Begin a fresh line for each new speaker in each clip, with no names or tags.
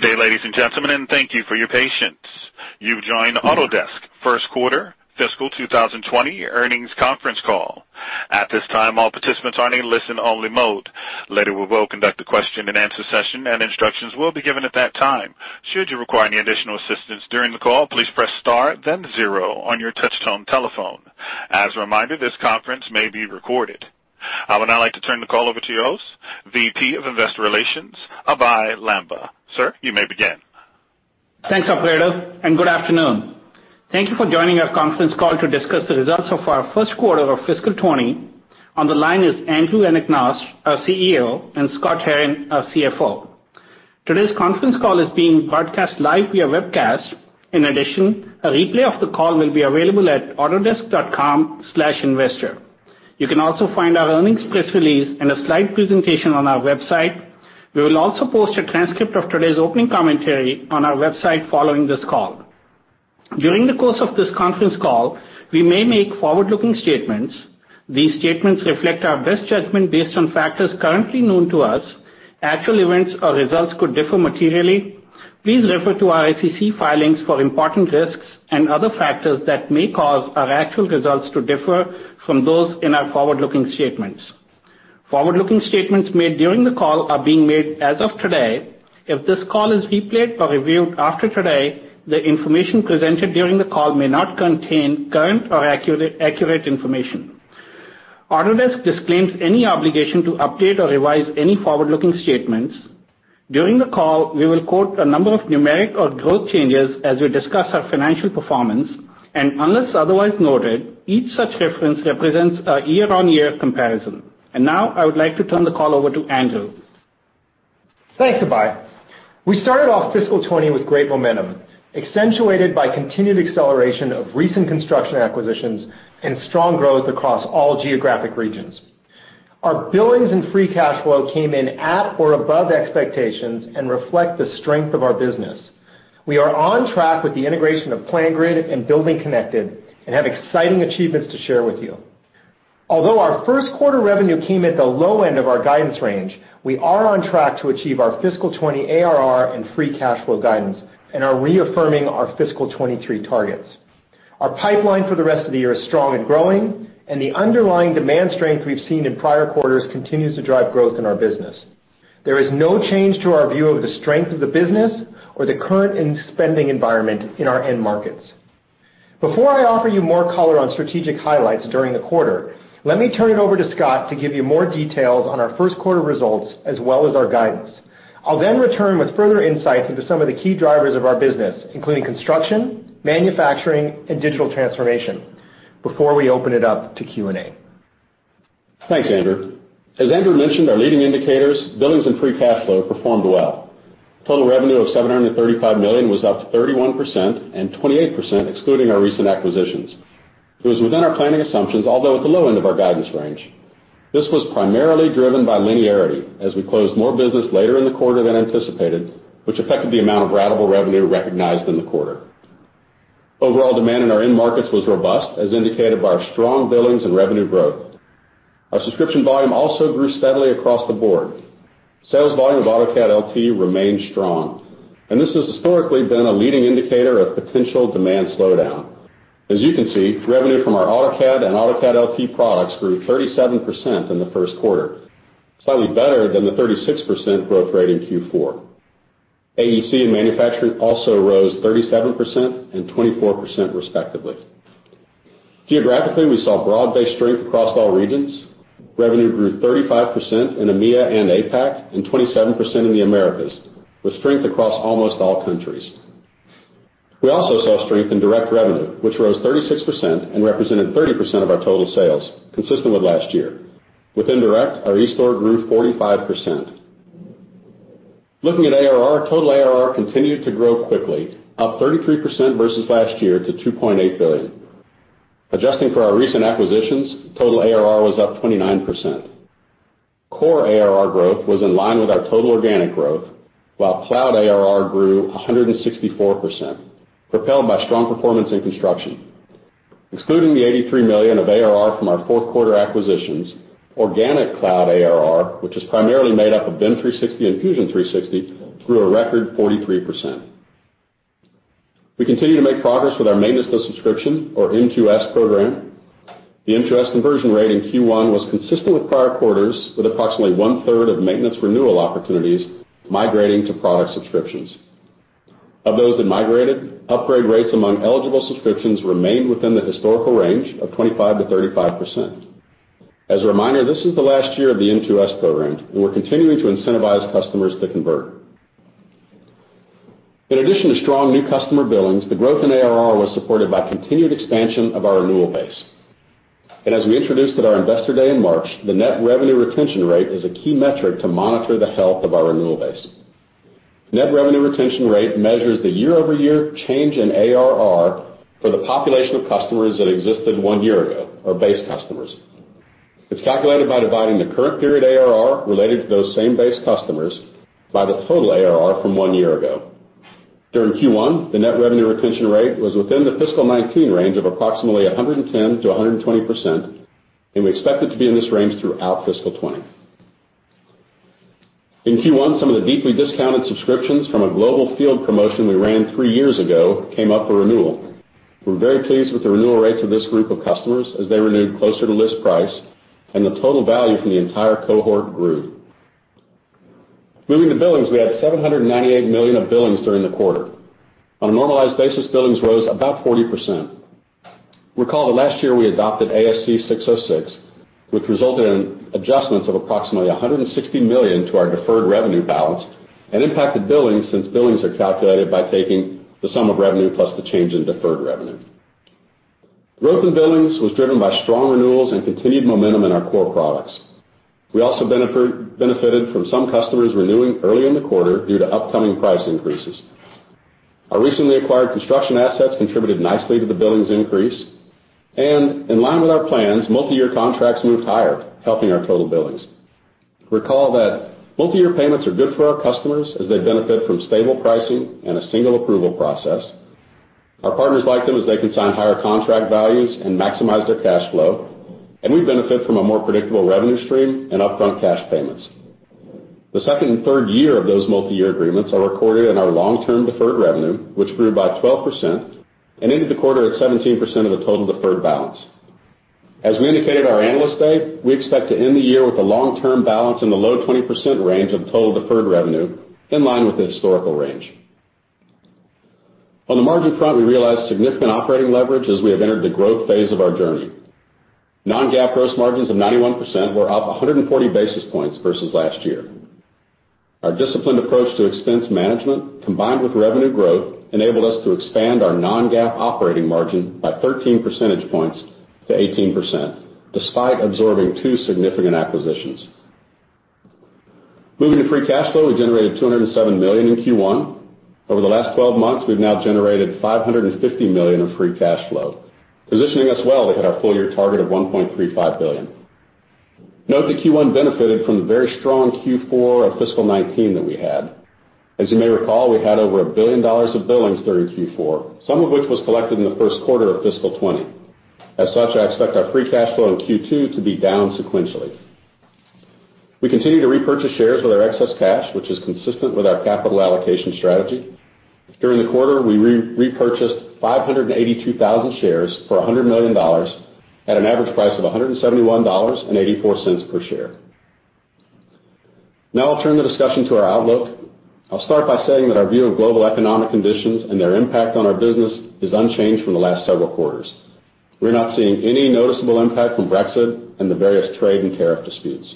Good day, ladies and gentlemen. Thank you for your patience. You've joined Autodesk first quarter fiscal 2020 earnings conference call. At this time, all participants are in a listen-only mode. Later, we will conduct a question-and-answer session, and instructions will be given at that time. Should you require any additional assistance during the call, please press star then zero on your touchtone telephone. As a reminder, this conference may be recorded. I would now like to turn the call over to your host, VP of Investor Relations, Abhey Lamba. Sir, you may begin.
Thanks, operator. Good afternoon. Thank you for joining our conference call to discuss the results of our first quarter of fiscal 2020. On the line is Andrew Anagnost, our CEO, and Scott Herren, our CFO. Today's conference call is being broadcast live via webcast. In addition, a replay of the call will be available at autodesk.com/investor. You can also find our earnings press release and a slide presentation on our website. We will also post a transcript of today's opening commentary on our website following this call. During the course of this conference call, we may make forward-looking statements. These statements reflect our best judgment based on factors currently known to us. Actual events or results could differ materially. Please refer to our SEC filings for important risks and other factors that may cause our actual results to differ from those in our forward-looking statements. Forward-looking statements made during the call are being made as of today. If this call is replayed or reviewed after today, the information presented during the call may not contain current or accurate information. Autodesk disclaims any obligation to update or revise any forward-looking statements. During the call, we will quote a number of numeric or growth changes as we discuss our financial performance, and unless otherwise noted, each such reference represents a year-on-year comparison. Now I would like to turn the call over to Andrew.
Thanks, Abhey. We started off fiscal 2020 with great momentum, accentuated by continued acceleration of recent construction acquisitions and strong growth across all geographic regions. Our billings and free cash flow came in at or above expectations and reflect the strength of our business. We are on track with the integration of PlanGrid and BuildingConnected and have exciting achievements to share with you. Although our first quarter revenue came at the low end of our guidance range, we are on track to achieve our fiscal 2020 ARR and free cash flow guidance and are reaffirming our fiscal 2023 targets. The underlying demand strength we've seen in prior quarters continues to drive growth in our business. There is no change to our view of the strength of the business or the current spending environment in our end markets. Before I offer you more color on strategic highlights during the quarter, let me turn it over to Scott to give you more details on our first quarter results as well as our guidance. I'll then return with further insights into some of the key drivers of our business, including construction, manufacturing, and digital transformation, before we open it up to Q&A.
Thanks, Andrew. As Andrew mentioned, our leading indicators, billings, and free cash flow performed well. Total revenue of $735 million was up 31% and 28% excluding our recent acquisitions. It was within our planning assumptions, although at the low end of our guidance range. This was primarily driven by linearity as we closed more business later in the quarter than anticipated, which affected the amount of ratable revenue recognized in the quarter. Overall demand in our end markets was robust, as indicated by our strong billings and revenue growth. Our subscription volume also grew steadily across the board. Sales volume of AutoCAD LT remained strong, and this has historically been a leading indicator of potential demand slowdown. You can see, revenue from our AutoCAD and AutoCAD LT products grew 37% in the first quarter, slightly better than the 36% growth rate in Q4. AEC and manufacturing also rose 37% and 24% respectively. Geographically, we saw broad-based strength across all regions. Revenue grew 35% in EMEA and APAC and 27% in the Americas, with strength across almost all countries. We also saw strength in direct revenue, which rose 36% and represented 30% of our total sales, consistent with last year. Within direct, our eStore grew 45%. Looking at ARR, total ARR continued to grow quickly, up 33% versus last year to $2.8 billion. Adjusting for our recent acquisitions, total ARR was up 29%. Core ARR growth was in line with our total organic growth, while cloud ARR grew 164%, propelled by strong performance in construction. Excluding the $83 million of ARR from our fourth quarter acquisitions, organic cloud ARR, which is primarily made up of BIM 360 and Fusion 360, grew a record 43%. We continue to make progress with our Maintenance to Subscription or M2S program. The M2S conversion rate in Q1 was consistent with prior quarters, with approximately one-third of maintenance renewal opportunities migrating to product subscriptions. Of those that migrated, upgrade rates among eligible subscriptions remained within the historical range of 25%-35%. A reminder, this is the last year of the M2S program, and we're continuing to incentivize customers to convert. In addition to strong new customer billings, the growth in ARR was supported by continued expansion of our renewal base. As we introduced at our Investor Day in March, the net revenue retention rate is a key metric to monitor the health of our renewal base. Net revenue retention rate measures the year-over-year change in ARR for the population of customers that existed one year ago, our base customers. It's calculated by dividing the current period ARR related to those same base customers by the total ARR from one year ago. During Q1, the net revenue retention rate was within the fiscal 2019 range of approximately 110%-120%, and we expect it to be in this range throughout fiscal 2020. In Q1, some of the deeply discounted subscriptions from a global field promotion we ran three years ago came up for renewal. We're very pleased with the renewal rates of this group of customers, as they renewed closer to list price, and the total value from the entire cohort grew. Moving to billings, we had $798 million of billings during the quarter. On a normalized basis, billings rose about 40%. Recall that last year we adopted ASC 606, which resulted in adjustments of approximately $160 million to our deferred revenue balance and impacted billings since billings are calculated by taking the sum of revenue plus the change in deferred revenue. Growth in billings was driven by strong renewals and continued momentum in our core products. We also benefited from some customers renewing early in the quarter due to upcoming price increases. Our recently acquired construction assets contributed nicely to the billings increase. In line with our plans, multi-year contracts moved higher, helping our total billings. Recall that multi-year payments are good for our customers as they benefit from stable pricing and a single approval process. Our partners like them as they can sign higher contract values and maximize their cash flow, and we benefit from a more predictable revenue stream and upfront cash payments. The second and third year of those multi-year agreements are recorded in our long-term deferred revenue, which grew by 12% and ended the quarter at 17% of the total deferred balance. As we indicated at our Analyst Day, we expect to end the year with a long-term balance in the low 20% range of total deferred revenue, in line with the historical range. On the margin front, we realized significant operating leverage as we have entered the growth phase of our journey. Non-GAAP gross margins of 91% were up 140 basis points versus last year. Our disciplined approach to expense management, combined with revenue growth, enabled us to expand our non-GAAP operating margin by 13 percentage points to 18%, despite absorbing two significant acquisitions. Moving to free cash flow, we generated $207 million in Q1. Over the last 12 months, we've now generated $550 million of free cash flow, positioning us well to hit our full-year target of $1.35 billion. Note that Q1 benefited from the very strong Q4 of fiscal 2019 that we had. As you may recall, we had over $1 billion of billings during Q4, some of which was collected in the first quarter of fiscal 2020. As such, I expect our free cash flow in Q2 to be down sequentially. We continue to repurchase shares with our excess cash, which is consistent with our capital allocation strategy. During the quarter, we repurchased 582,000 shares for $100 million at an average price of $171.84 per share. I'll turn the discussion to our outlook. I'll start by saying that our view of global economic conditions and their impact on our business is unchanged from the last several quarters. We're not seeing any noticeable impact from Brexit and the various trade and tariff disputes.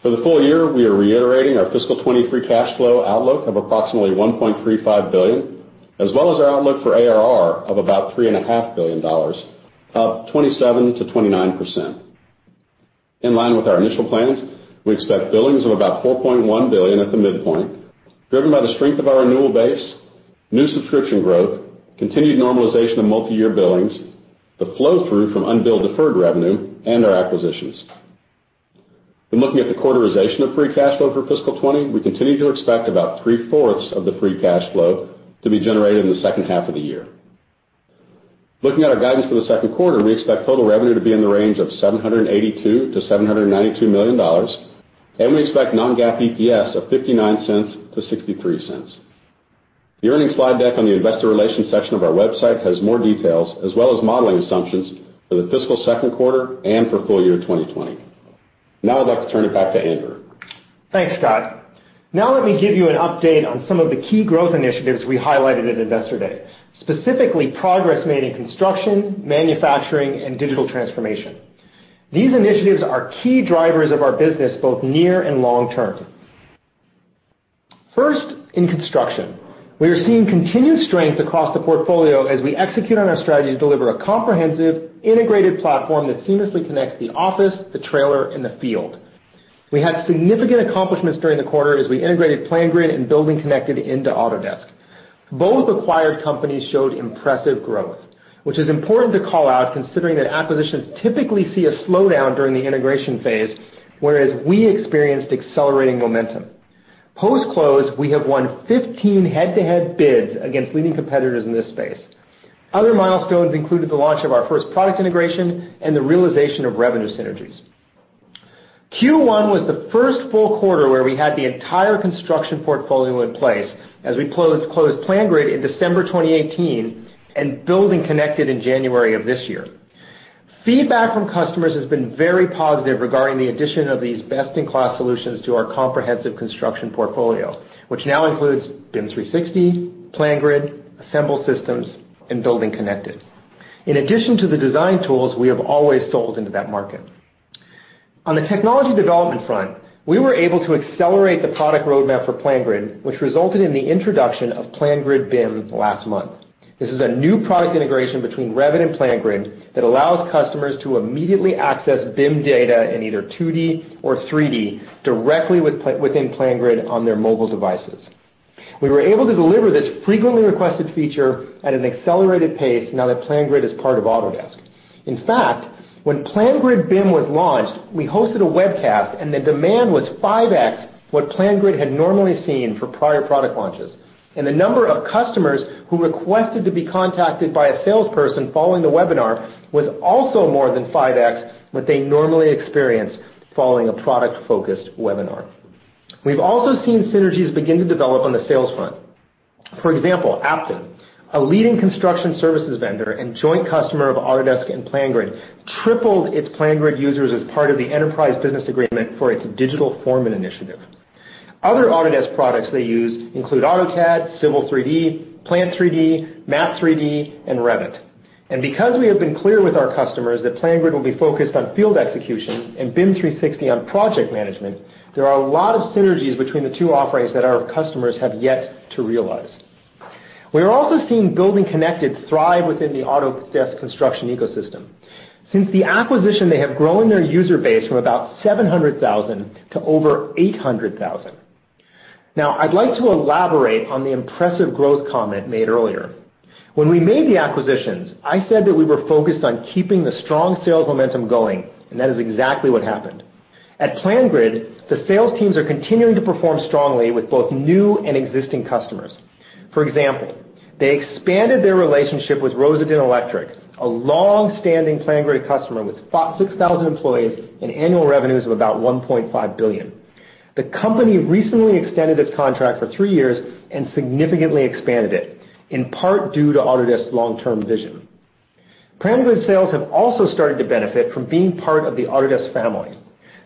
For the full year, we are reiterating our fiscal 2020 free cash flow outlook of approximately $1.35 billion, as well as our outlook for ARR of about $3.5 billion, up 27%-29%. In line with our initial plans, we expect billings of about $4.1 billion at the midpoint, driven by the strength of our renewal base, new subscription growth, continued normalization of multi-year billings, the flow-through from unbilled deferred revenue, and our acquisitions. When looking at the quarterization of free cash flow for fiscal 2020, we continue to expect about three-fourths of the free cash flow to be generated in the second half of the year. Looking at our guidance for the second quarter, we expect total revenue to be in the range of $782 million-$792 million, and we expect non-GAAP EPS of $0.59-$0.63. The earnings slide deck on the investor relations section of our website has more details as well as modeling assumptions for the fiscal second quarter and for full year 2020. I'd like to turn it back to Andrew.
Thanks, Scott. Let me give you an update on some of the key growth initiatives we highlighted at Investor Day, specifically progress made in construction, manufacturing, and digital transformation. These initiatives are key drivers of our business, both near and long term. First, in construction, we are seeing continued strength across the portfolio as we execute on our strategy to deliver a comprehensive, integrated platform that seamlessly connects the office, the trailer, and the field. We had significant accomplishments during the quarter as we integrated PlanGrid and BuildingConnected into Autodesk. Both acquired companies showed impressive growth, which is important to call out considering that acquisitions typically see a slowdown during the integration phase, whereas we experienced accelerating momentum. Post-close, we have won 15 head-to-head bids against leading competitors in this space. Other milestones included the launch of our first product integration and the realization of revenue synergies. Q1 was the first full quarter where we had the entire construction portfolio in place as we closed PlanGrid in December 2018 and BuildingConnected in January of this year. Feedback from customers has been very positive regarding the addition of these best-in-class solutions to our comprehensive construction portfolio, which now includes BIM 360, PlanGrid, Assemble Systems, and BuildingConnected. In addition to the design tools we have always sold into that market. On the technology development front, we were able to accelerate the product roadmap for PlanGrid, which resulted in the introduction of PlanGrid BIM last month. This is a new product integration between Revit and PlanGrid that allows customers to immediately access BIM data in either 2D or 3D directly within PlanGrid on their mobile devices. We were able to deliver this frequently requested feature at an accelerated pace now that PlanGrid is part of Autodesk. In fact, when PlanGrid BIM was launched, we hosted a webcast. The demand was 5x what PlanGrid had normally seen for prior product launches. The number of customers who requested to be contacted by a salesperson following the webinar was also more than 5x what they normally experience following a product-focused webinar. We've also seen synergies begin to develop on the sales front. For example, APTIM, a leading construction services vendor and joint customer of Autodesk and PlanGrid, tripled its PlanGrid users as part of the Enterprise Business Agreement for its digital foreman initiative. Other Autodesk products they use include AutoCAD, Civil 3D, Plant 3D, Map 3D, and Revit. Because we have been clear with our customers that PlanGrid will be focused on field execution and BIM 360 on project management, there are a lot of synergies between the two offerings that our customers have yet to realize. We are also seeing BuildingConnected thrive within the Autodesk construction ecosystem. Since the acquisition, they have grown their user base from about 700,000 to over 800,000. I'd like to elaborate on the impressive growth comment made earlier. When we made the acquisitions, I said that we were focused on keeping the strong sales momentum going. That is exactly what happened. At PlanGrid, the sales teams are continuing to perform strongly with both new and existing customers. For example, they expanded their relationship with Rosendin Electric, a long-standing PlanGrid customer with 6,000 employees and annual revenues of about $1.5 billion. The company recently extended its contract for three years and significantly expanded it, in part due to Autodesk's long-term vision. PlanGrid sales have also started to benefit from being part of the Autodesk family.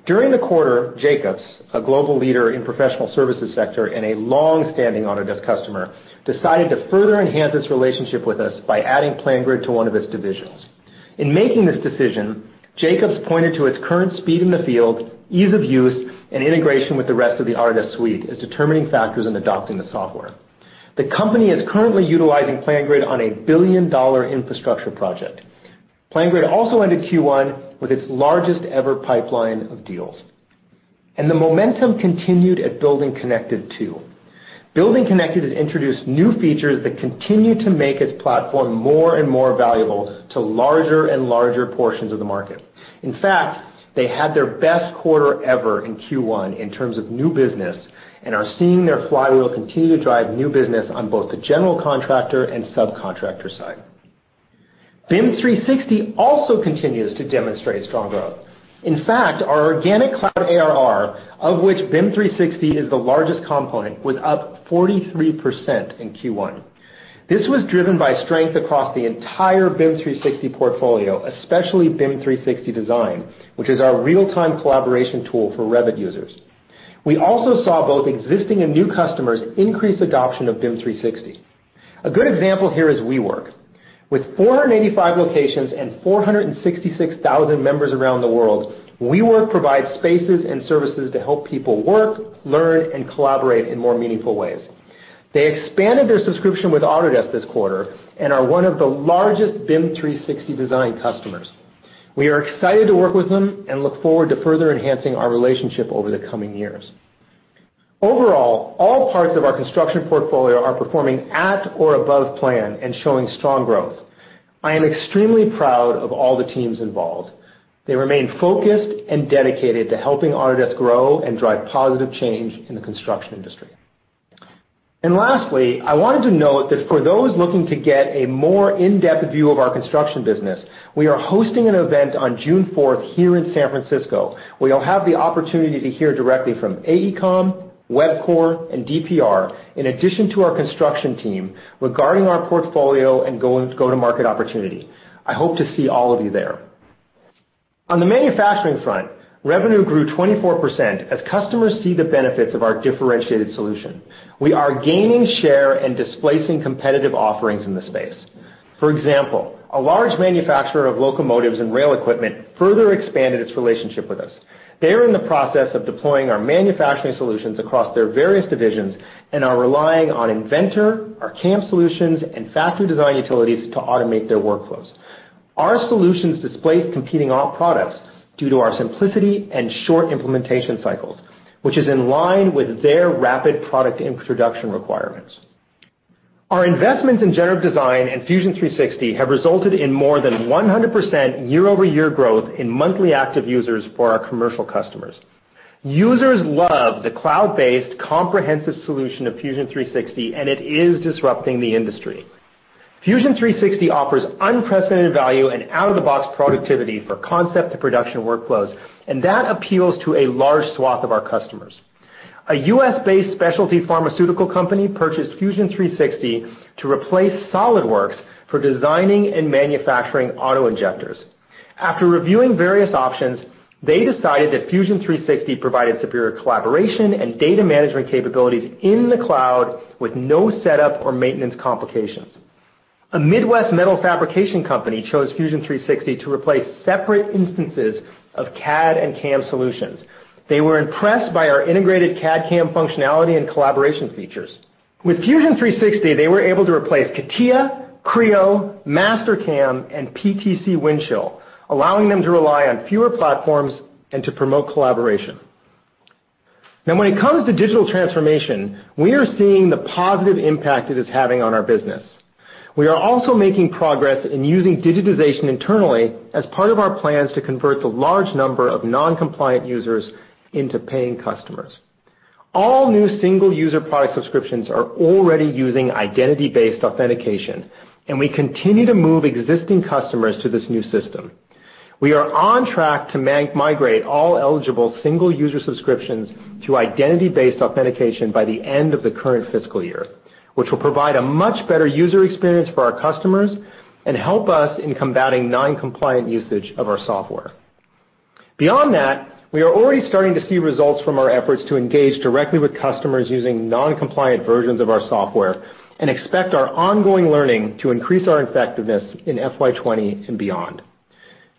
During the quarter, Jacobs, a global leader in professional services sector and a long-standing Autodesk customer, decided to further enhance its relationship with us by adding PlanGrid to one of its divisions. In making this decision, Jacobs pointed to its current speed in the field, ease of use, and integration with the rest of the Autodesk suite as determining factors in adopting the software. The company is currently utilizing PlanGrid on a billion-dollar infrastructure project. PlanGrid also ended Q1 with its largest-ever pipeline of deals. The momentum continued at BuildingConnected, too. BuildingConnected has introduced new features that continue to make its platform more and more valuable to larger and larger portions of the market. In fact, they had their best quarter ever in Q1 in terms of new business and are seeing their flywheel continue to drive new business on both the general contractor and subcontractor side. BIM 360 also continues to demonstrate strong growth. In fact, our organic cloud ARR, of which BIM 360 is the largest component, was up 43% in Q1. This was driven by strength across the entire BIM 360 portfolio, especially BIM 360 Design, which is our real-time collaboration tool for Revit users. We also saw both existing and new customers increase adoption of BIM 360. A good example here is WeWork. With 485 locations and 466,000 members around the world, WeWork provides spaces and services to help people work, learn, and collaborate in more meaningful ways. They expanded their subscription with Autodesk this quarter and are one of the largest BIM 360 Design customers. We are excited to work with them and look forward to further enhancing our relationship over the coming years. Overall, all parts of our construction portfolio are performing at or above plan and showing strong growth. I am extremely proud of all the teams involved. They remain focused and dedicated to helping Autodesk grow and drive positive change in the construction industry. Lastly, I wanted to note that for those looking to get a more in-depth view of our construction business, we are hosting an event on June fourth here in San Francisco, where you'll have the opportunity to hear directly from AECOM, Webcor, and DPR, in addition to our construction team, regarding our portfolio and go-to-market opportunity. I hope to see all of you there. On the manufacturing front, revenue grew 24% as customers see the benefits of our differentiated solution. We are gaining share and displacing competitive offerings in the space. For example, a large manufacturer of locomotives and rail equipment further expanded its relationship with us. They are in the process of deploying our manufacturing solutions across their various divisions and are relying on Inventor, our CAM solutions, and factory design utilities to automate their workflows. Our solutions displaced competing products due to our simplicity and short implementation cycles, which is in line with their rapid product introduction requirements. Our investments in generative design and Fusion 360 have resulted in more than 100% year-over-year growth in monthly active users for our commercial customers. Users love the cloud-based comprehensive solution of Fusion 360, and it is disrupting the industry. Fusion 360 offers unprecedented value and out-of-the-box productivity for concept to production workflows, and that appeals to a large swath of our customers. A U.S.-based specialty pharmaceutical company purchased Fusion 360 to replace SolidWorks for designing and manufacturing auto-injectors. After reviewing various options, they decided that Fusion 360 provided superior collaboration and data management capabilities in the cloud with no setup or maintenance complications. A Midwest metal fabrication company chose Fusion 360 to replace separate instances of CAD and CAM solutions. They were impressed by our integrated CAD/CAM functionality and collaboration features. With Fusion 360, they were able to replace CATIA, Creo, Mastercam, and PTC Windchill, allowing them to rely on fewer platforms and to promote collaboration. When it comes to digital transformation, we are seeing the positive impact it is having on our business. We are also making progress in using digitization internally as part of our plans to convert the large number of non-compliant users into paying customers. All new single-user product subscriptions are already using identity-based authentication, and we continue to move existing customers to this new system. We are on track to migrate all eligible single-user subscriptions to identity-based authentication by the end of the current fiscal year, which will provide a much better user experience for our customers and help us in combating non-compliant usage of our software. Beyond that, we are already starting to see results from our efforts to engage directly with customers using non-compliant versions of our software and expect our ongoing learning to increase our effectiveness in FY 2020 and beyond.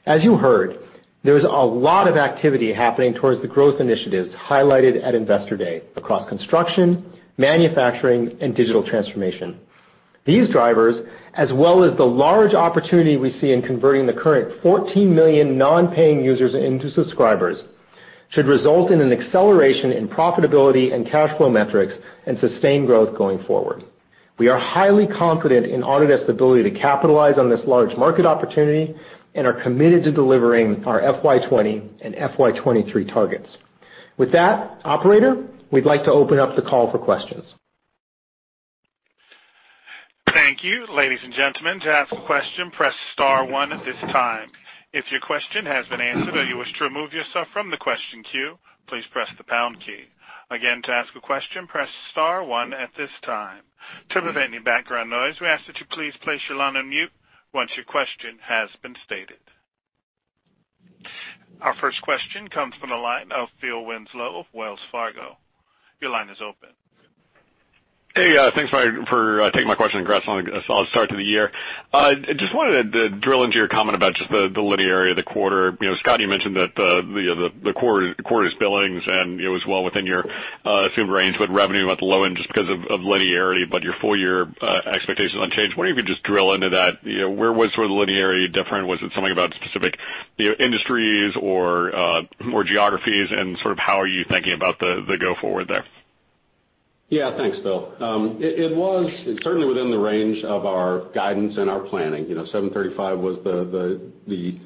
As you heard, there's a lot of activity happening towards the growth initiatives highlighted at Investor Day across construction, manufacturing, and digital transformation. These drivers, as well as the large opportunity we see in converting the current 14 million non-paying users into subscribers, should result in an acceleration in profitability and cash flow metrics and sustained growth going forward. We are highly confident in Autodesk's ability to capitalize on this large market opportunity and are committed to delivering our FY 2020 and FY 2023 targets. With that, operator, we'd like to open up the call for questions.
Thank you. Ladies and gentlemen, to ask a question, press star one at this time. If your question has been answered or you wish to remove yourself from the question queue, please press the pound key. Again, to ask a question, press star one at this time. To prevent any background noise, we ask that you please place your line on mute once your question has been stated. Our first question comes from the line of Phil Winslow of Wells Fargo. Your line is open.
Hey, thanks for taking my question. Congrats on a solid start to the year. I just wanted to drill into your comment about just the linearity of the quarter. Scott, you mentioned that the quarter's billings, it was well within your assumed range, but revenue at the low end just because of linearity, but your full-year expectations unchanged. Wondering if you could just drill into that. Where was the linearity different? Was it something about specific industries or geographies, and how are you thinking about the go forward there?
Yeah, thanks, Phil. It was certainly within the range of our guidance and our planning. $735 was the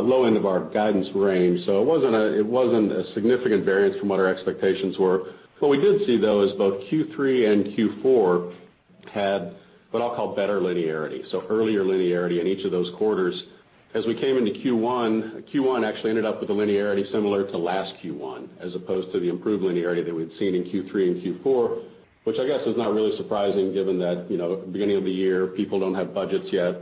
low end of our guidance range, so it wasn't a significant variance from what our expectations were. What we did see, though, is both Q3 and Q4 had what I'll call better linearity. Earlier linearity in each of those quarters. As we came into Q1 actually ended up with a linearity similar to last Q1, as opposed to the improved linearity that we'd seen in Q3 and Q4, which I guess is not really surprising given that beginning of the year, people don't have budgets yet.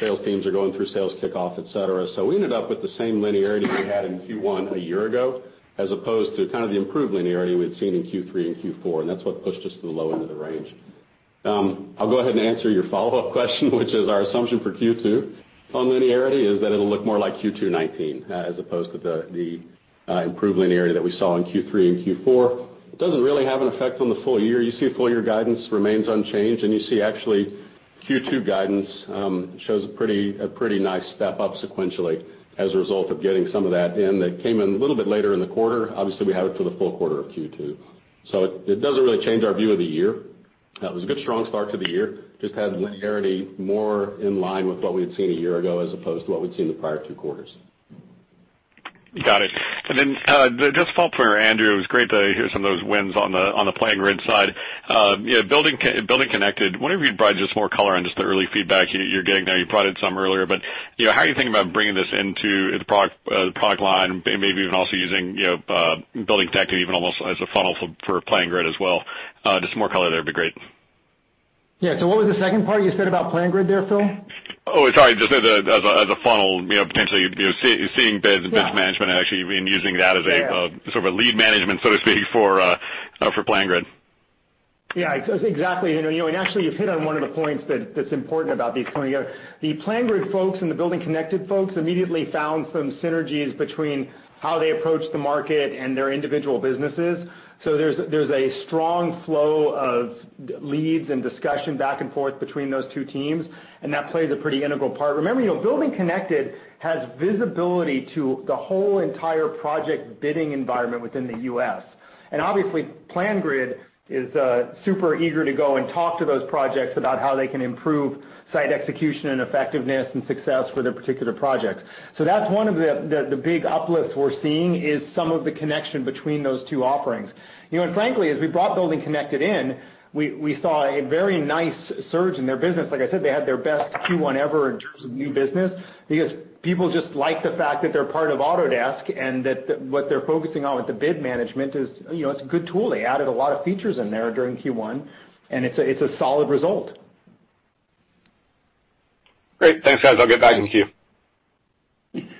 Sales teams are going through sales kickoff, et cetera. We ended up with the same linearity we had in Q1 a year ago, as opposed to the improved linearity we had seen in Q3 and Q4. That's what pushed us to the low end of the range. Our assumption for Q2 on linearity is that it'll look more like Q2 2019, as opposed to the improved linearity that we saw in Q3 and Q4. It doesn't really have an effect on the full year. Full-year guidance remains unchanged, and actually Q2 guidance shows a pretty nice step up sequentially as a result of getting some of that in that came in a little bit later in the quarter. Obviously, we have it for the full quarter of Q2. It doesn't really change our view of the year. It was a good, strong start to the year. Just had linearity more in line with what we had seen a year ago, as opposed to what we'd seen the prior two quarters.
Got it. Just a follow-up for you, Andrew. It was great to hear some of those wins on the PlanGrid side. BuildingConnected, wondering if you'd provide just more color on just the early feedback you're getting there. You provided some earlier, but how are you thinking about bringing this into the product line, maybe even also using BuildingConnected even almost as a funnel for PlanGrid as well. Just some more color there would be great.
Yeah. What was the second part you said about PlanGrid there, Phil?
Oh, sorry. Just as a funnel, potentially, seeing bid and bid management and actually using that as a sort of a lead management, so to speak, for PlanGrid.
Yeah. Exactly. Actually, you've hit on one of the points that's important about these coming together. The PlanGrid folks and the BuildingConnected folks immediately found some synergies between how they approach the market and their individual businesses. There's a strong flow of leads and discussion back and forth between those two teams, and that plays a pretty integral part. Remember, BuildingConnected has visibility to the whole entire project bidding environment within the U.S. Obviously, PlanGrid is super eager to go and talk to those projects about how they can improve site execution and effectiveness and success for their particular projects. That's one of the big uplifts we're seeing is some of the connection between those two offerings. Frankly, as we brought BuildingConnected in, we saw a very nice surge in their business. Like I said, they had their best Q1 ever in terms of new business because people just like the fact that they're part of Autodesk, and that what they're focusing on with the bid management is, it's a good tool. They added a lot of features in there during Q1, it's a solid result.
Great. Thanks, guys. I'll get back in queue.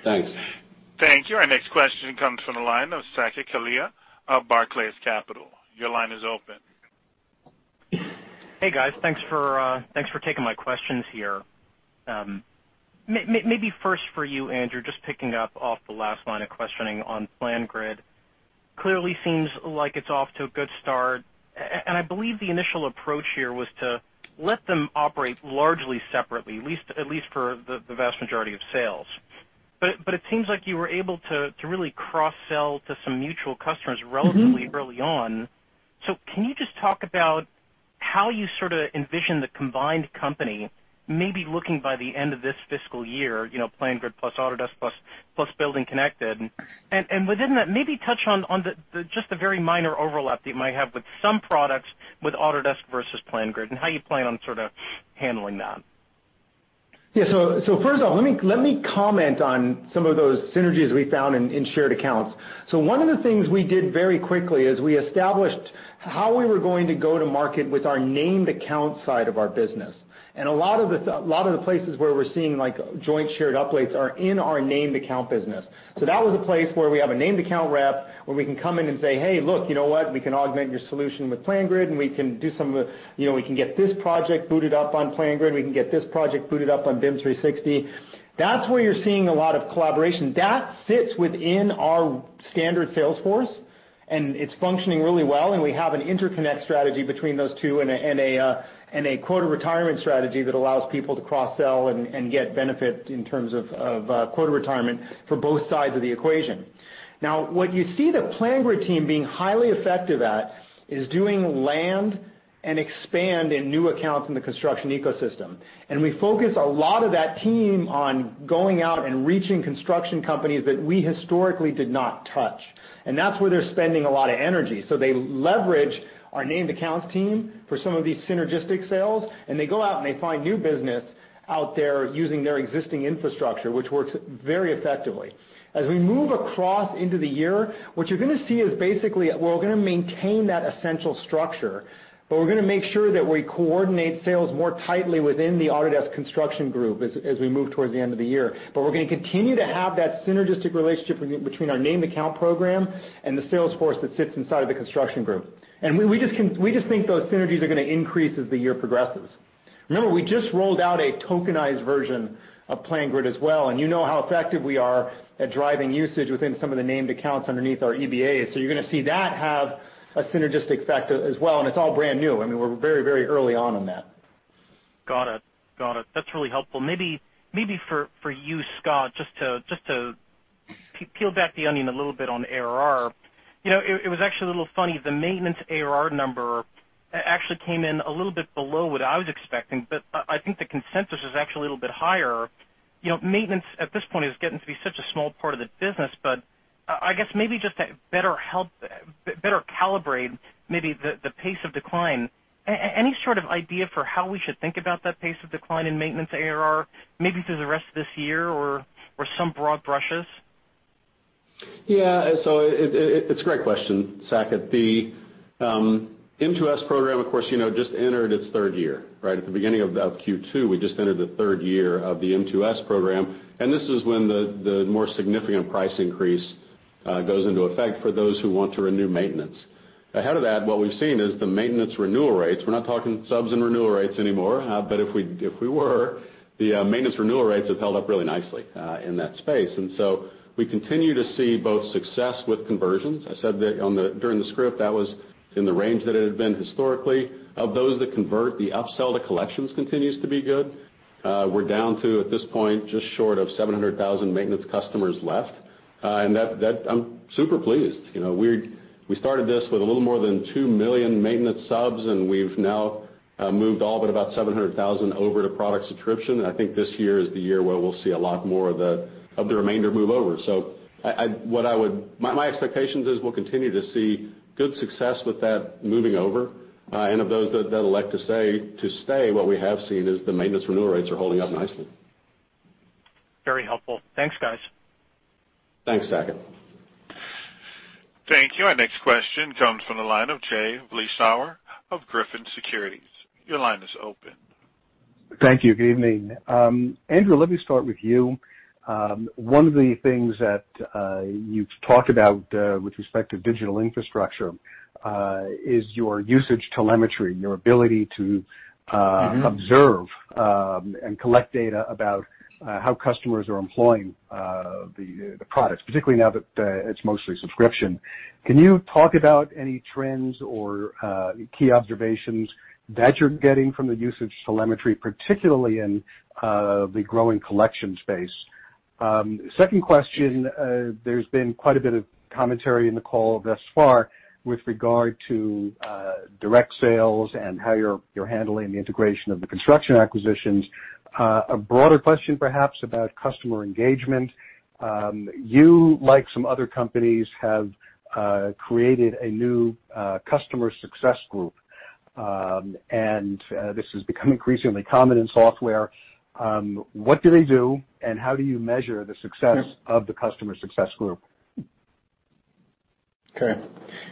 Thanks.
Thank you. Our next question comes from the line of Saket Kalia of Barclays Capital. Your line is open.
Hey, guys. Thanks for taking my questions here. Maybe first for you, Andrew, just picking up off the last line of questioning on PlanGrid. Clearly seems like it's off to a good start, and I believe the initial approach here was to let them operate largely separately, at least for the vast majority of sales. It seems like you were able to really cross-sell to some mutual customers relatively early on. Can you just talk about how you sort of envision the combined company, maybe looking by the end of this fiscal year, PlanGrid plus Autodesk plus BuildingConnected. Within that, maybe touch on just the very minor overlap that you might have with some products with Autodesk versus PlanGrid, and how you plan on sort of handling that.
Yeah. First off, let me comment on some of those synergies we found in shared accounts. One of the things we did very quickly is we established how we were going to go to market with our named account side of our business. A lot of the places where we're seeing joint shared uplifts are in our named account business. That was a place where we have a named account rep, where we can come in and say, "Hey, look, you know what? We can augment your solution with PlanGrid, and we can get this project booted up on PlanGrid, and we can get this project booted up on BIM 360." That's where you're seeing a lot of collaboration. That fits within our standard sales force, and it's functioning really well, and we have an interconnect strategy between those two and a quota retirement strategy that allows people to cross-sell and get benefit in terms of quota retirement for both sides of the equation. What you see the PlanGrid team being highly effective at is doing land and expand in new accounts in the construction ecosystem. We focus a lot of that team on going out and reaching construction companies that we historically did not touch. That's where they're spending a lot of energy. They leverage our named accounts team for some of these synergistic sales, and they go out, and they find new business out there using their existing infrastructure, which works very effectively. As we move across into the year, what you're going to see is basically, we're all going to maintain that essential structure, but we're going to make sure that we coordinate sales more tightly within the Autodesk construction group as we move towards the end of the year. We're going to continue to have that synergistic relationship between our named account program and the sales force that sits inside of the construction group. We just think those synergies are going to increase as the year progresses. Remember, we just rolled out a tokenized version of PlanGrid as well, and you know how effective we are at driving usage within some of the named accounts underneath our EBAs. You're going to see that have a synergistic effect as well, and it's all brand new. I mean, we're very early on in that.
Got it. That's really helpful. Maybe for you, Scott, just to peel back the onion a little bit on the ARR. It was actually a little funny, the maintenance ARR number actually came in a little bit below what I was expecting, I think the consensus is actually a little bit higher. Maintenance at this point is getting to be such a small part of the business, I guess maybe just to better calibrate maybe the pace of decline. Any sort of idea for how we should think about that pace of decline in maintenance ARR, maybe through the rest of this year or some broad brushes?
Yeah. It's a great question, Saket. The M2S program, of course, just entered its third year, right at the beginning of Q2. We just entered the third year of the M2S program, this is when the more significant price increase, goes into effect for those who want to renew maintenance. Ahead of that, what we've seen is the maintenance renewal rates. We're not talking subs and renewal rates anymore, but if we were, the maintenance renewal rates have held up really nicely in that space. We continue to see both success with conversions. I said that during the script, that was in the range that it had been historically. Of those that convert, the upsell to collections continues to be good. We're down to, at this point, just short of 700,000 maintenance customers left. I'm super pleased. We started this with a little more than two million maintenance subs, and we've now moved all but about 700,000 over to product subscription. I think this year is the year where we'll see a lot more of the remainder move over. My expectation is we'll continue to see good success with that moving over. Of those that elect to stay, what we have seen is the maintenance renewal rates are holding up nicely.
Very helpful. Thanks, guys.
Thanks, Saket.
Thank you. Our next question comes from the line of Jay Vleeschhouwer of Griffin Securities. Your line is open.
Thank you. Good evening. Andrew, let me start with you. One of the things that you've talked about with respect to digital infrastructure, is your usage telemetry, your ability to observe and collect data about how customers are employing the products, particularly now that it's mostly subscription. Can you talk about any trends or key observations that you're getting from the usage telemetry, particularly in the growing collection space? Second question, there's been quite a bit of commentary in the call thus far with regard to direct sales and how you're handling the integration of the construction acquisitions. A broader question, perhaps, about customer engagement. You, like some other companies, have created a new Customer Success Group. This has become increasingly common in software. What do they do, and how do you measure the success of the Customer Success Group?
Okay.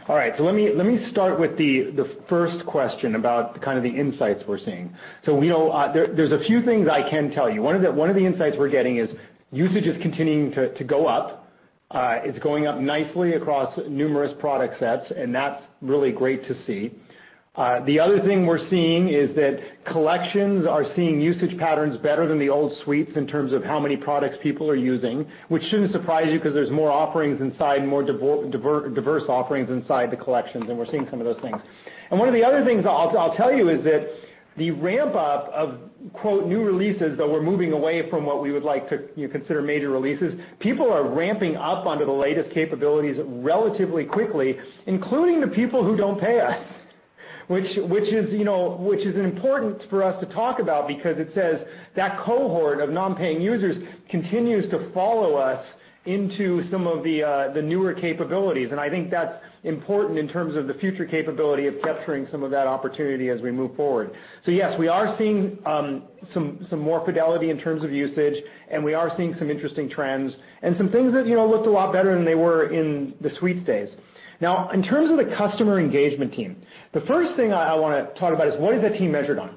All right. Let me start with the first question about kind of the insights we're seeing. There's a few things I can tell you. One of the insights we're getting is usage is continuing to go up. It's going up nicely across numerous product sets, and that's really great to see. The other thing we're seeing is that collections are seeing usage patterns better than the old suites in terms of how many products people are using, which shouldn't surprise you because there's more offerings inside, more diverse offerings inside the collections, and we're seeing some of those things. One of the other things I'll tell you is that the ramp up of "new releases," though we're moving away from what we would like to consider major releases, people are ramping up onto the latest capabilities relatively quickly, including the people who don't pay us. Which is important for us to talk about because it says that cohort of non-paying users continues to follow us into some of the newer capabilities, and I think that's important in terms of the future capability of capturing some of that opportunity as we move forward. Yes, we are seeing some more fidelity in terms of usage, and we are seeing some interesting trends, and some things that look a lot better than they were in the suites days. In terms of the customer engagement team, the first thing I want to talk about is what is that team measured on?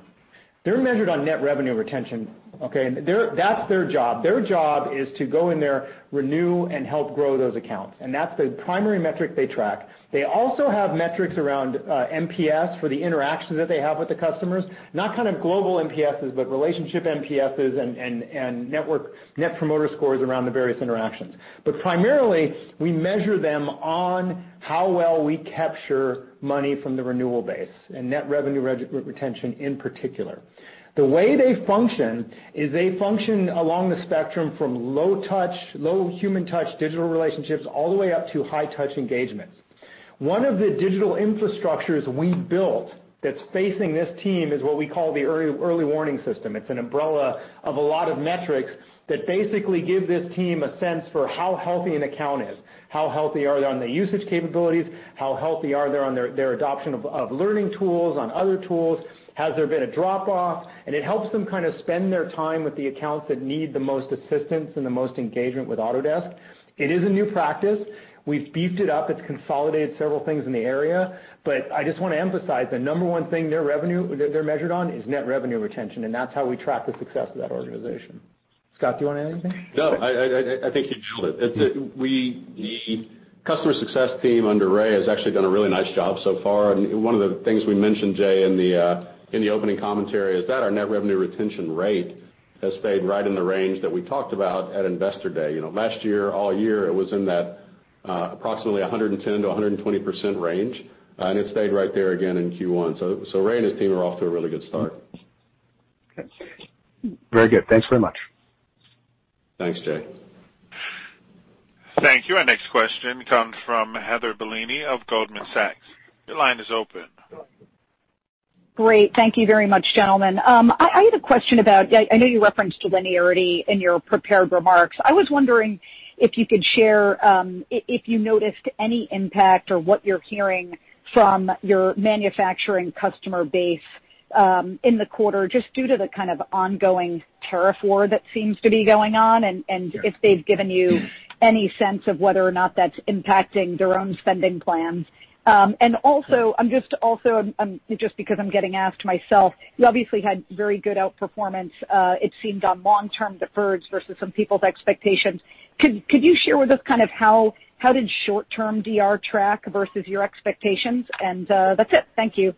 They're measured on net revenue retention, okay? That's their job. Their job is to go in there, renew, and help grow those accounts. That's the primary metric they track. They also have metrics around NPS for the interactions that they have with the customers. Not kind of global NPSs, but relationship NPSs and network net promoter scores around the various interactions. Primarily, we measure them on how well we capture money from the renewal base and net revenue retention in particular. The way they function is they function along the spectrum from low human touch digital relationships, all the way up to high-touch engagement. One of the digital infrastructures we built that's facing this team is what we call the early warning system. It's an umbrella of a lot of metrics that basically give this team a sense for how healthy an account is, how healthy are they on the usage capabilities, how healthy are they on their adoption of learning tools, on other tools, has there been a drop off? It helps them spend their time with the accounts that need the most assistance and the most engagement with Autodesk. It is a new practice. We've beefed it up. It's consolidated several things in the area. I just want to emphasize, the number one thing their measured on is net revenue retention, and that's how we track the success of that organization. Scott, do you want to add anything?
No, I think you nailed it. The customer success team under Ray has actually done a really nice job so far. One of the things we mentioned, Jay, in the opening commentary is that our net revenue retention rate has stayed right in the range that we talked about at Investor Day. Last year, all year, it was in that approximately 110%-120% range, and it stayed right there again in Q1. Ray and his team are off to a really good start.
Okay.
Very good. Thanks very much.
Thanks, Jay.
Thank you. Our next question comes from Heather Bellini of Goldman Sachs. Your line is open.
Great. Thank you very much, gentlemen. I had a question about, I know you referenced linearity in your prepared remarks. I was wondering if you could share if you noticed any impact or what you're hearing from your manufacturing customer base in the quarter, just due to the kind of ongoing tariff war that seems to be going on, and if they've given you any sense of whether or not that's impacting their own spending plans. Also, just because I'm getting asked myself, you obviously had very good outperformance, it seemed, on long-term deferreds versus some people's expectations. Could you share with us how did short-term DR track versus your expectations? That's it. Thank you.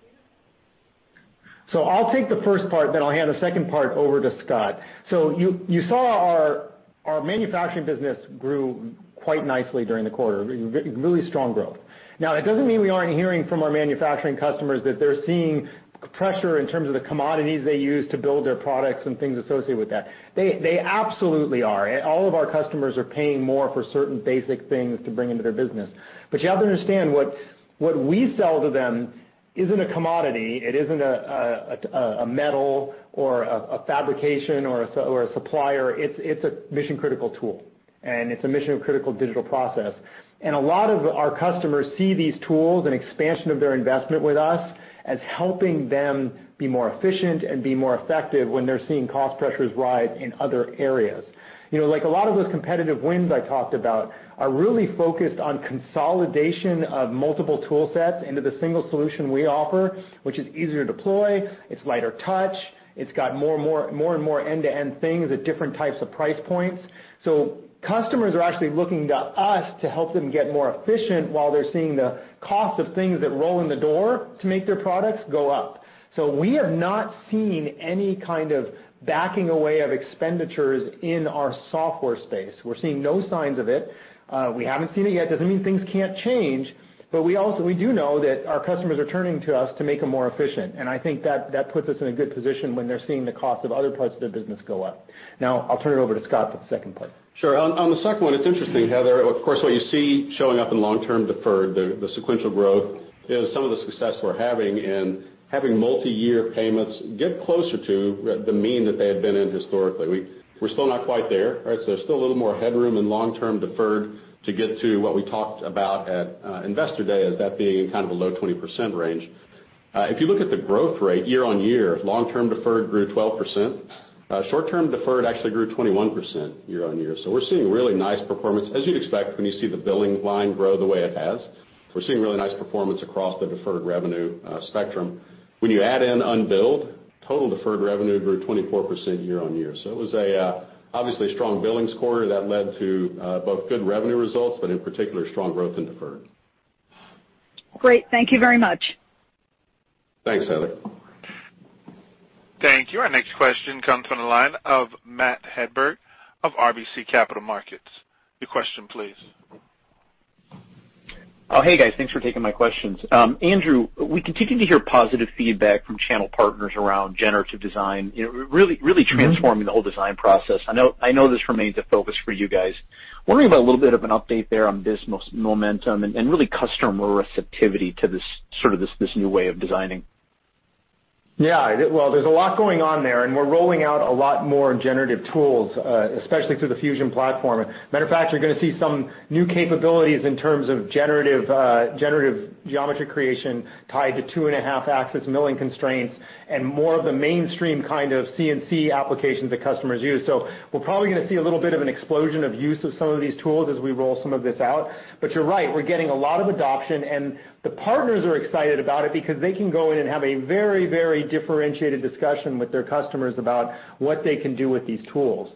I'll take the first part, then I'll hand the second part over to Scott. You saw our manufacturing business grew quite nicely during the quarter, really strong growth. That doesn't mean we aren't hearing from our manufacturing customers that they're seeing pressure in terms of the commodities they use to build their products and things associated with that. They absolutely are. All of our customers are paying more for certain basic things to bring into their business. You have to understand, what we sell to them isn't a commodity. It isn't a metal or a fabrication or a supplier. It's a mission-critical tool, and it's a mission-critical digital process. A lot of our customers see these tools and expansion of their investment with us as helping them be more efficient and be more effective when they're seeing cost pressures rise in other areas. A lot of those competitive wins I talked about are really focused on consolidation of multiple tool sets into the single solution we offer, which is easier to deploy, it's lighter touch, it's got more and more end-to-end things at different types of price points. Customers are actually looking to us to help them get more efficient while they're seeing the cost of things that roll in the door to make their products go up. We have not seen any kind of backing away of expenditures in our software space. We're seeing no signs of it. We haven't seen it yet. Doesn't mean things can't change, but we do know that our customers are turning to us to make them more efficient, and I think that puts us in a good position when they're seeing the cost of other parts of their business go up. I'll turn it over to Scott for the second part.
Sure. On the second one, it's interesting, Heather. Of course, what you see showing up in long-term deferred, the sequential growth, is some of the success we're having in having multi-year payments get closer to the mean that they had been in historically. We're still not quite there. There's still a little more headroom in long-term deferred to get to what we talked about at Investor Day as that being in kind of the low 20% range. If you look at the growth rate year-on-year, long-term deferred grew 12%. Short-term deferred actually grew 21% year-on-year. We're seeing really nice performance, as you'd expect when you see the billing line grow the way it has. We're seeing really nice performance across the deferred revenue spectrum. When you add in unbilled, total deferred revenue grew 24% year-on-year. It was obviously a strong billings quarter that led to both good revenue results, but in particular, strong growth in deferred.
Great. Thank you very much.
Thanks, Heather.
Thank you. Our next question comes from the line of Matthew Hedberg of RBC Capital Markets. Your question please.
Oh, hey, guys. Thanks for taking my questions. Andrew, we continue to hear positive feedback from channel partners around generative design. Really transforming the whole design process. I know this remains a focus for you guys. Wondering about a little bit of an update there on this momentum and really customer receptivity to this new way of designing.
Yeah. Well, there's a lot going on there, and we're rolling out a lot more generative tools, especially through the Fusion platform. Matter of fact, you're going to see some new capabilities in terms of generative geometry creation tied to two and a half axis milling constraints and more of the mainstream kind of CNC applications that customers use. We're probably going to see a little bit of an explosion of use of some of these tools as we roll some of this out. You're right, we're getting a lot of adoption, and the partners are excited about it because they can go in and have a very differentiated discussion with their customers about what they can do with these tools.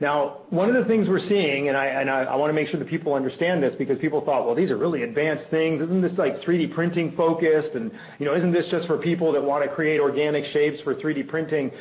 Now, one of the things we're seeing, and I want to make sure that people understand this because people thought, well, these are really advanced things. Isn't this 3D printing focused? Isn't this just for people that want to create organic shapes for 3D printing?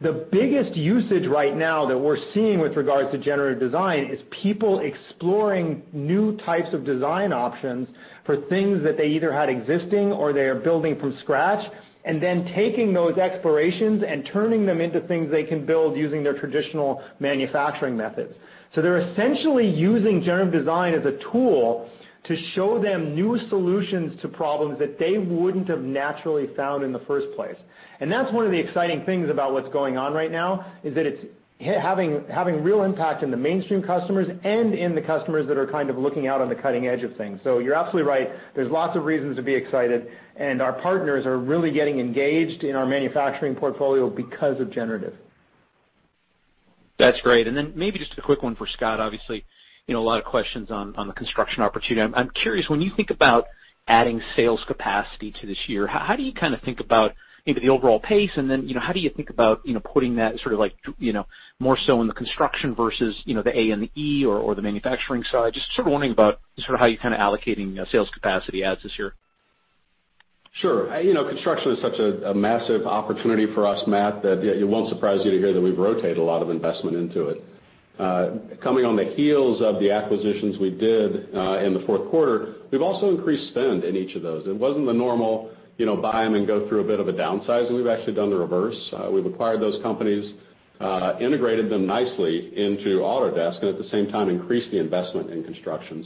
The biggest usage right now that we're seeing with regards to generative design is people exploring new types of design options for things that they either had existing or they are building from scratch, and then taking those explorations and turning them into things they can build using their traditional manufacturing methods. They're essentially using generative design as a tool to show them new solutions to problems that they wouldn't have naturally found in the first place. That's one of the exciting things about what's going on right now is that it's having real impact in the mainstream customers and in the customers that are kind of looking out on the cutting edge of things. You're absolutely right. There's lots of reasons to be excited, our partners are really getting engaged in our manufacturing portfolio because of generative.
That's great. Maybe just a quick one for Scott. Obviously, a lot of questions on the construction opportunity. I'm curious, when you think about adding sales capacity to this year, how do you think about maybe the overall pace, then how do you think about putting that more so in the construction versus the A and the E or the manufacturing side? Sort of wondering about how you're allocating sales capacity as of this year.
Sure. Construction is such a massive opportunity for us, Matt, that it won't surprise you to hear that we've rotated a lot of investment into it. Coming on the heels of the acquisitions we did in the fourth quarter, we've also increased spend in each of those. It wasn't the normal buy them and go through a bit of a downsize. We've actually done the reverse. We've acquired those companies, integrated them nicely into Autodesk, at the same time, increased the investment in construction.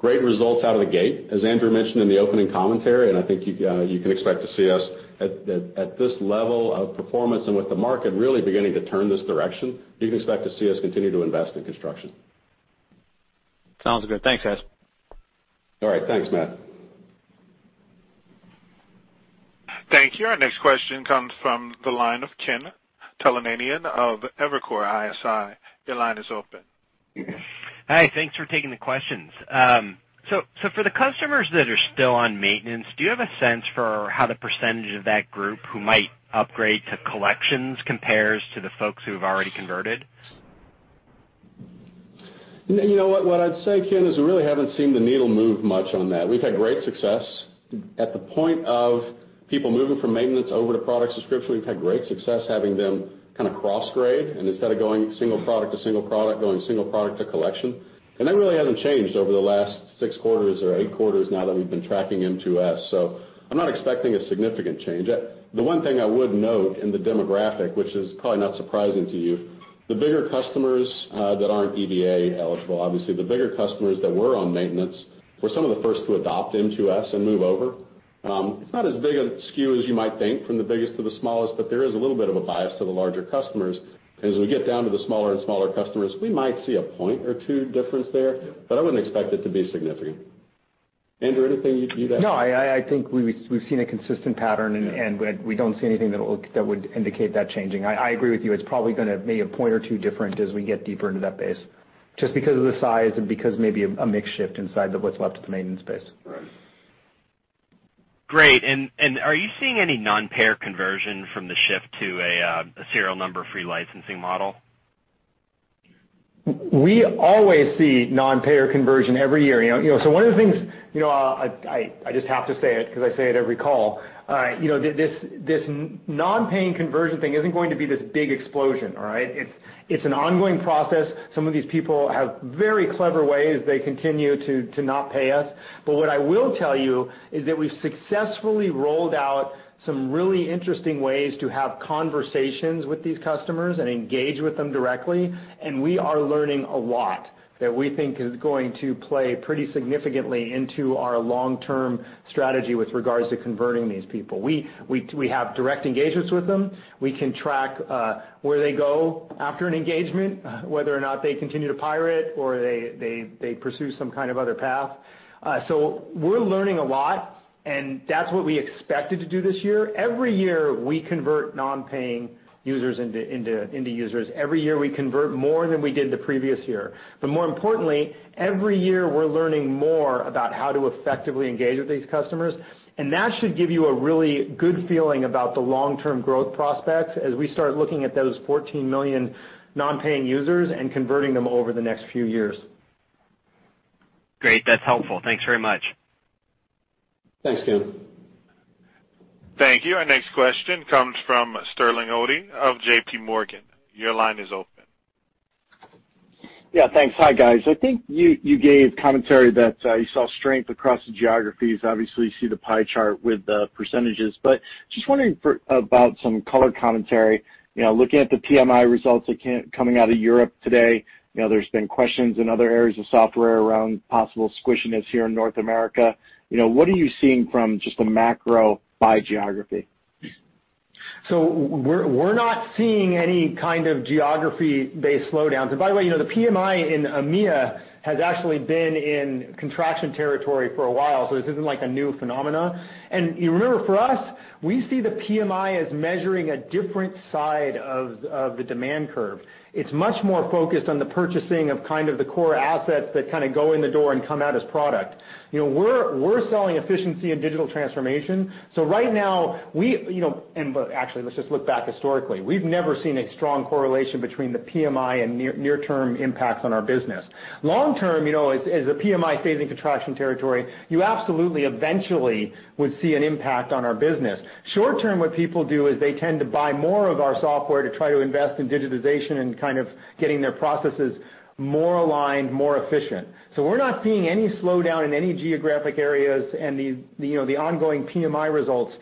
Great results out of the gate, as Andrew mentioned in the opening commentary, I think you can expect to see us at this level of performance and with the market really beginning to turn this direction, you can expect to see us continue to invest in construction.
Sounds good. Thanks, guys.
All right. Thanks, Matt.
Thank you. Our next question comes from the line of Ken Talanian of Evercore ISI. Your line is open.
Hi. Thanks for taking the questions. For the customers that are still on maintenance, do you have a sense for how the percentage of that group who might upgrade to Collections compares to the folks who have already converted?
You know what? What I'd say, Ken, is we really haven't seen the needle move much on that. We've had great success at the point of people moving from maintenance over to product subscription. We've had great success having them kind of cross-grade, and instead of going single product to single product, going single product to Collection. That really hasn't changed over the last six quarters or eight quarters now that we've been tracking M2S. I'm not expecting a significant change. The one thing I would note in the demographic, which is probably not surprising to you, the bigger customers that aren't EBA eligible, obviously, the bigger customers that were on maintenance, were some of the first to adopt M2S and move over. It's not as big a skew as you might think from the biggest to the smallest, but there is a little bit of a bias to the larger customers. As we get down to the smaller and smaller customers, we might see a point or two difference there, but I wouldn't expect it to be significant. Andrew, anything you'd add?
No, I think we've seen a consistent pattern, and we don't see anything that would indicate that changing. I agree with you. It's probably going to be a point or two different as we get deeper into that base, just because of the size and because maybe a mix shift inside of what's left of the maintenance base.
Right.
Great. Are you seeing any non-payer conversion from the shift to a serial number free licensing model?
We always see non-payer conversion every year. One of the things, I just have to say it because I say it every call. This non-paying conversion thing isn't going to be this big explosion, all right? It's an ongoing process. Some of these people have very clever ways they continue to not pay us. What I will tell you is that we've successfully rolled out some really interesting ways to have conversations with these customers and engage with them directly. We are learning a lot that we think is going to play pretty significantly into our long-term strategy with regards to converting these people. We have direct engagements with them. We can track where they go after an engagement, whether or not they continue to pirate or they pursue some kind of other path. We're learning a lot. That's what we expected to do this year. Every year, we convert non-paying users into users. Every year, we convert more than we did the previous year. More importantly, every year, we're learning more about how to effectively engage with these customers. That should give you a really good feeling about the long-term growth prospects as we start looking at those 14 million non-paying users and converting them over the next few years.
Great. That's helpful. Thanks very much.
Thanks, Ken.
Thank you. Our next question comes from Sterling Auty of J.P. Morgan. Your line is open.
Yeah, thanks. Hi, guys. I think you gave commentary that you saw strength across the geographies. Obviously, you see the pie chart with the percentages. Just wondering about some color commentary. Looking at the PMI results coming out of Europe today, there's been questions in other areas of software around possible squishiness here in North America. What are you seeing from just a macro by geography?
We're not seeing any kind of geography-based slowdowns. By the way, the PMI in EMEA has actually been in contraction territory for a while, so this isn't a new phenomenon. You remember, for us, we see the PMI as measuring a different side of the demand curve. It's much more focused on the purchasing of the core assets that go in the door and come out as product. We're selling efficiency and digital transformation. Actually, let's just look back historically. We've never seen a strong correlation between the PMI and near-term impacts on our business. Long term, as a PMI phase in contraction territory, you absolutely eventually would see an impact on our business. Short term, what people do is they tend to buy more of our software to try to invest in digitization and getting their processes more aligned, more efficient. We're not seeing any slowdown in any geographic areas, and the ongoing PMI results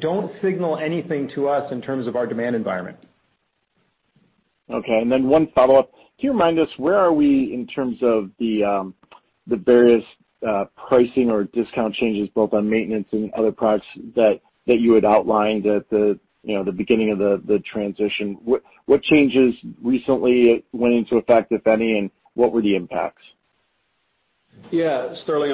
don't signal anything to us in terms of our demand environment.
Okay, one follow-up. Can you remind us where are we in terms of the various pricing or discount changes, both on maintenance and other products that you had outlined at the beginning of the transition? What changes recently went into effect, if any, and what were the impacts?
Yeah. Sterling,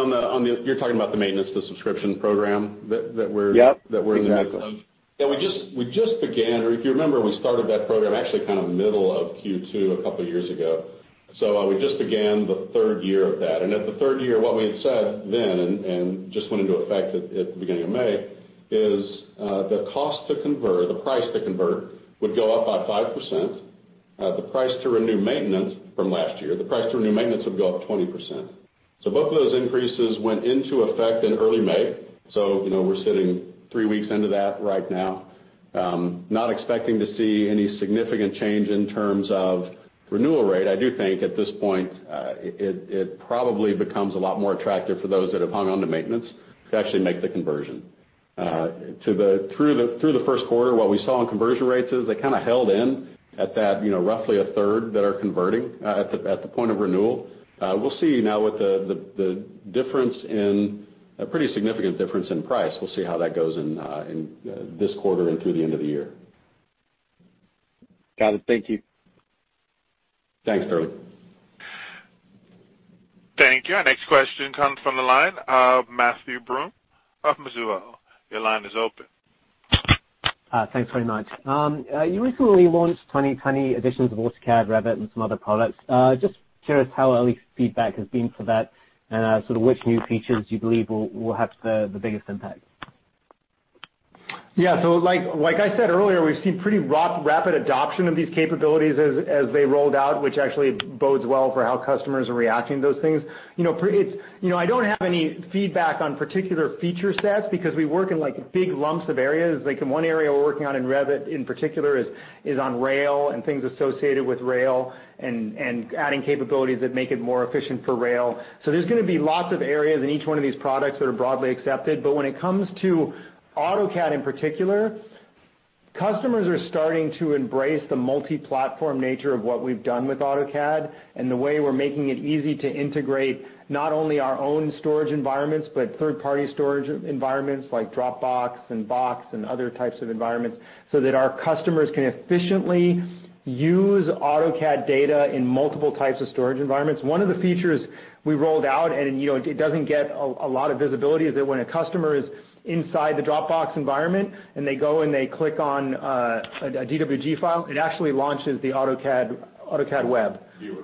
you're talking about the maintenance to subscription program that we're
Yep
that we're in the middle of.
Yeah, we just began, or if you remember, we started that program actually middle of Q2 a couple of years ago. We just began the third year of that. At the third year, what we had said then, and just went into effect at the beginning of May, is the cost to convert, the price to convert would go up by 5%. The price to renew maintenance from last year, the price to renew maintenance would go up 20%. Both of those increases went into effect in early May. We're sitting three weeks into that right now. Not expecting to see any significant change in terms of renewal rate. I do think at this point, it probably becomes a lot more attractive for those that have hung on to maintenance to actually make the conversion. Through the first quarter, what we saw in conversion rates is they held in at that roughly a third that are converting at the point of renewal. We'll see now with a pretty significant difference in price. We'll see how that goes in this quarter and through the end of the year.
Got it. Thank you.
Thanks, Sterling.
Thank you. Our next question comes from the line of Matthew Broome of Mizuho. Your line is open.
Thanks very much. You recently launched 2020 editions of AutoCAD, Revit, and some other products. Just curious how early feedback has been for that, sort of which new features you believe will have the biggest impact.
Like I said earlier, we've seen pretty rapid adoption of these capabilities as they rolled out, which actually bodes well for how customers are reacting to those things. I don't have any feedback on particular feature sets because we work in big lumps of areas. Like in one area we're working on in Revit in particular is on rail and things associated with rail, and adding capabilities that make it more efficient for rail. There's going to be lots of areas in each one of these products that are broadly accepted. When it comes to AutoCAD in particular, customers are starting to embrace the multi-platform nature of what we've done with AutoCAD and the way we're making it easy to integrate not only our own storage environments, but third-party storage environments like Dropbox and Box and other types of environments so that our customers can efficiently use AutoCAD data in multiple types of storage environments. One of the features we rolled out, and it doesn't get a lot of visibility, is that when a customer is inside the Dropbox environment and they go and they click on a DWG file, it actually launches the AutoCAD web.
Viewer.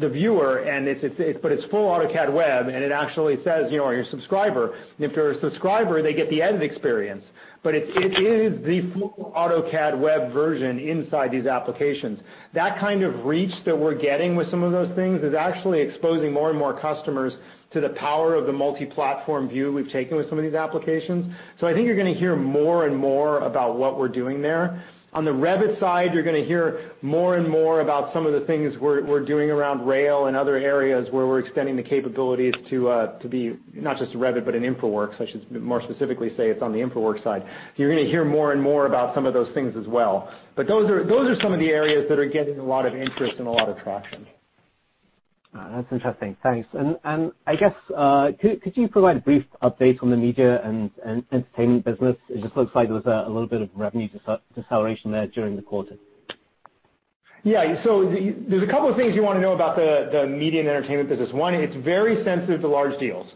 The viewer, it's full AutoCAD web, and it actually says, "You're a subscriber." If you're a subscriber, they get the edit experience. It is the full AutoCAD web version inside these applications. That kind of reach that we're getting with some of those things is actually exposing more and more customers to the power of the multi-platform view we've taken with some of these applications. I think you're going to hear more and more about what we're doing there. On the Revit side, you're going to hear more and more about some of the things we're doing around rail and other areas where we're extending the capabilities to be not just Revit, but in InfraWorks. I should more specifically say it's on the InfraWorks side. You're going to hear more and more about some of those things as well. Those are some of the areas that are getting a lot of interest and a lot of traction.
That's interesting. Thanks. I guess, could you provide a brief update on the media and entertainment business? It just looks like there was a little bit of revenue deceleration there during the quarter.
There's a couple of things you want to know about the media and entertainment business. One, it's very sensitive to large deals.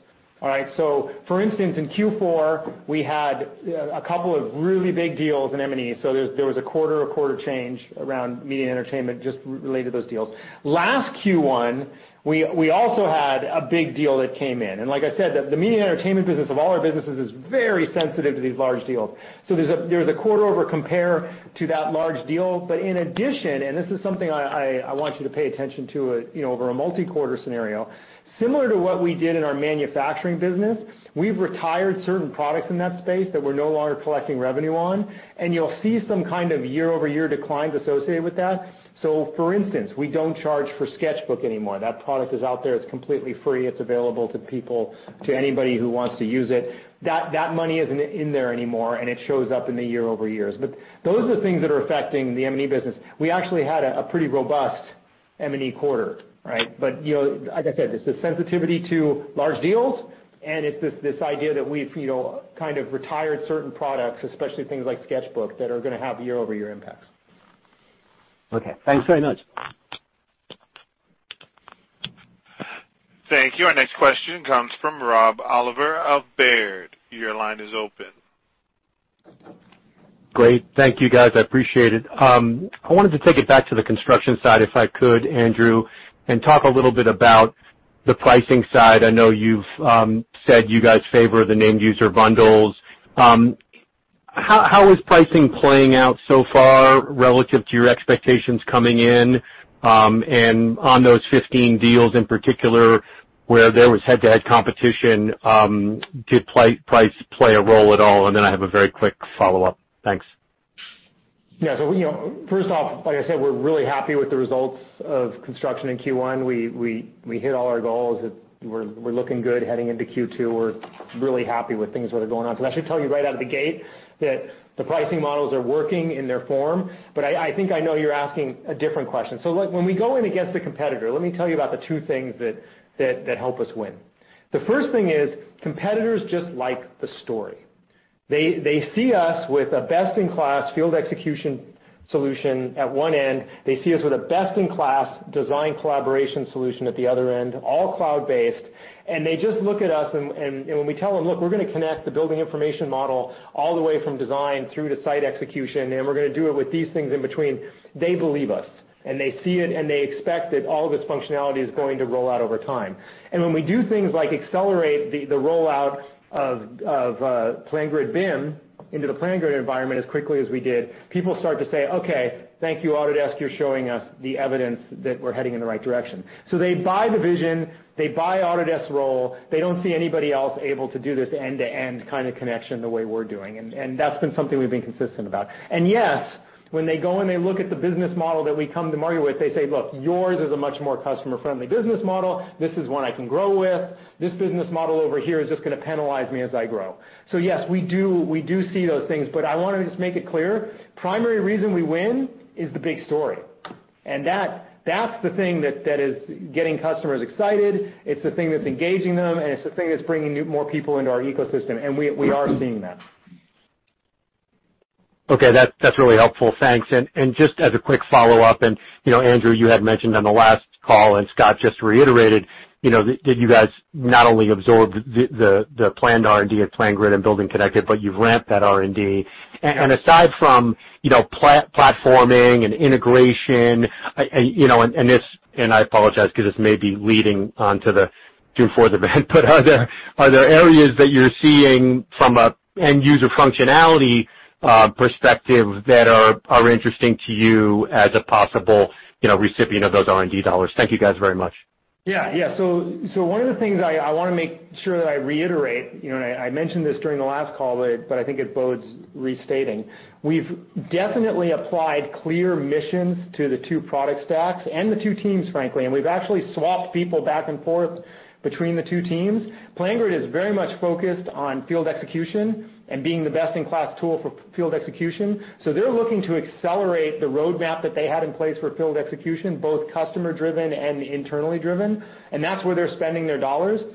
All right. For instance, in Q4, we had a couple of really big deals in M&E. There was a quarter-over-quarter change around media and entertainment just related to those deals. Last Q1, we also had a big deal that came in. Like I said, the media and entertainment business of all our businesses is very sensitive to these large deals. There's a quarter-over-compare to that large deal. In addition, this is something I want you to pay attention to over a multi-quarter scenario, similar to what we did in our manufacturing business, we've retired certain products in that space that we're no longer collecting revenue on, and you'll see some kind of year-over-year declines associated with that. For instance, we don't charge for SketchBook anymore. That product is out there, it's completely free. It's available to people, to anybody who wants to use it. That money isn't in there anymore, and it shows up in the year-over-years. Those are the things that are affecting the M&E business. We actually had a pretty robust M&E quarter, right? As I said, there's a sensitivity to large deals, and it's this idea that we've kind of retired certain products, especially things like SketchBook, that are going to have year-over-year impacts.
Okay. Thanks very much.
Thank you. Our next question comes from Rob Oliver of Baird. Your line is open.
Great. Thank you, guys. I appreciate it. I wanted to take it back to the construction side, if I could, Andrew, and talk a little bit about the pricing side. I know you've said you guys favor the named user bundles. How is pricing playing out so far relative to your expectations coming in? On those 15 deals in particular where there was head-to-head competition, did price play a role at all? Then I have a very quick follow-up. Thanks.
Yeah. First off, like I said, we're really happy with the results of construction in Q1. We hit all our goals. We're looking good heading into Q2. We're really happy with things that are going on. I should tell you right out of the gate that the pricing models are working in their form. I think I know you're asking a different question. When we go in against a competitor, let me tell you about the two things that help us win. The first thing is competitors just like the story. They see us with a best-in-class field execution solution at one end. They see us with a best-in-class design collaboration solution at the other end, all cloud-based, and they just look at us, and when we tell them, "Look, we're going to connect the building information model all the way from design through to site execution, and we're going to do it with these things in between," they believe us. They see it, and they expect that all this functionality is going to roll out over time. When we do things like accelerate the rollout of PlanGrid BIM into the PlanGrid environment as quickly as we did, people start to say, "Okay, thank you, Autodesk. You're showing us the evidence that we're heading in the right direction." They buy the vision, they buy Autodesk's role. They don't see anybody else able to do this end-to-end kind of connection the way we're doing, and that's been something we've been consistent about. Yes, when they go and they look at the business model that we come to market with, they say, "Look, yours is a much more customer-friendly business model. This is one I can grow with. This business model over here is just going to penalize me as I grow." Yes, we do see those things, but I want to just make it clear, primary reason we win is the big story. That's the thing that is getting customers excited. It's the thing that's engaging them, and it's the thing that's bringing more people into our ecosystem, and we are seeing that.
Okay. That's really helpful. Thanks. Just as a quick follow-up, Andrew, you had mentioned on the last call, and Scott just reiterated, that you guys not only absorbed the planned R&D of PlanGrid and BuildingConnected, but you've ramped that R&D. Aside from platforming and integration, I apologize because this may be leading onto the June Fourth event, but are there areas that you're seeing from an end-user functionality perspective that are interesting to you as a possible recipient of those R&D $? Thank you guys very much.
Yeah. So one of the things I want to make sure that I reiterate, I mentioned this during the last call, but I think it bodes restating. We've definitely applied clear missions to the two product stacks and the two teams, frankly, and we've actually swapped people back and forth between the two teams. PlanGrid is very much focused on field execution and being the best-in-class tool for field execution. So they're looking to accelerate the roadmap that they had in place for field execution, both customer-driven and internally driven. That's where they're spending their $.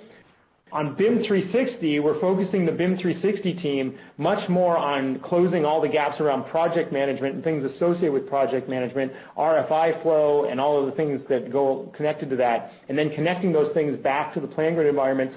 On BIM 360, we're focusing the BIM 360 team much more on closing all the gaps around project management and things associated with project management, RFI flow, and all of the things that go connected to that, and then connecting those things back to the PlanGrid environment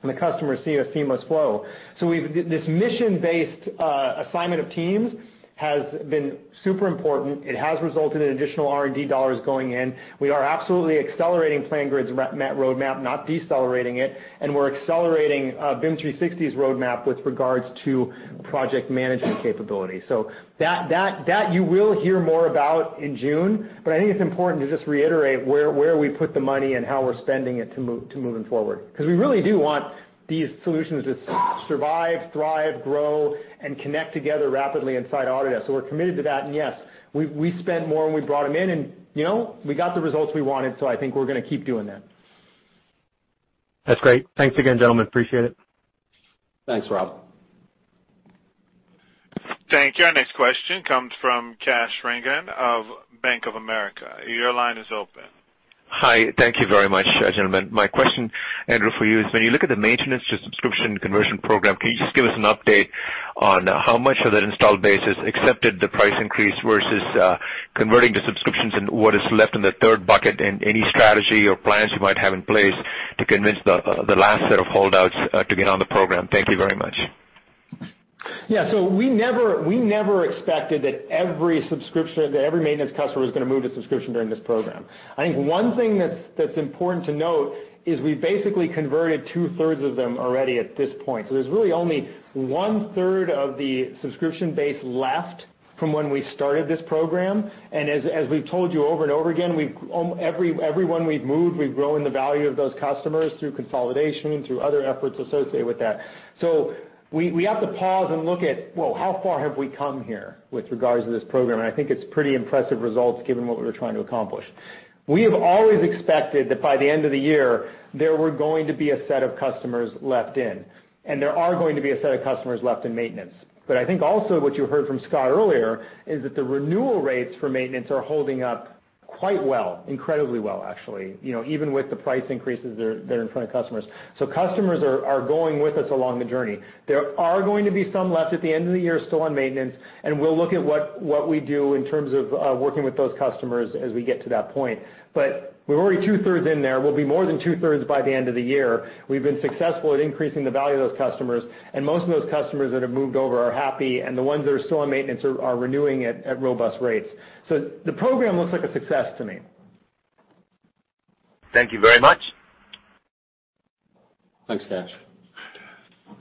so the customers see a seamless flow. This mission-based assignment of teams has been super important. It has resulted in additional R&D $ going in. We are absolutely accelerating PlanGrid's roadmap, not decelerating it, and we're accelerating BIM 360's roadmap with regards to project management capability. That you will hear more about in June. But I think it's important to just reiterate where we put the money and how we're spending it to moving forward. We really do want these solutions to survive, thrive, grow, and connect together rapidly inside Autodesk. So we're committed to that. Yes, we spent more and we brought them in, and we got the results we wanted, so I think we're going to keep doing that.
That's great. Thanks again, gentlemen. Appreciate it.
Thanks, Rob.
Thank you. Our next question comes from Kash Rangan of Bank of America. Your line is open.
Hi. Thank you very much, gentlemen. My question, Andrew, for you is, when you look at the maintenance to subscription conversion program, can you just give us an update on how much of that installed base has accepted the price increase versus converting to subscriptions and what is left in the third bucket, and any strategy or plans you might have in place to convince the last set of holdouts to get on the program? Thank you very much.
Yeah. We never expected that every maintenance customer was going to move to subscription during this program. I think one thing that's important to note is we basically converted two-thirds of them already at this point. There's really only one-third of the subscription base left from when we started this program. As we've told you over and over again, every one we've moved, we've grown the value of those customers through consolidation, through other efforts associated with that. We have to pause and look at, whoa, how far have we come here with regards to this program? I think it's pretty impressive results given what we were trying to accomplish. We have always expected that by the end of the year, there were going to be a set of customers left in, and there are going to be a set of customers left in maintenance. I think also what you heard from Scott earlier is that the renewal rates for maintenance are holding up quite well, incredibly well, actually, even with the price increases that are in front of customers. Customers are going with us along the journey. There are going to be some left at the end of the year, still on maintenance, and we'll look at what we do in terms of working with those customers as we get to that point. We're already two-thirds in there. We'll be more than two-thirds by the end of the year. We've been successful at increasing the value of those customers, and most of those customers that have moved over are happy, and the ones that are still on maintenance are renewing at robust rates. The program looks like a success to me.
Thank you very much.
Thanks, Kash.